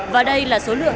và đây là số lượng